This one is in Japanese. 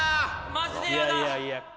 マジで嫌だ！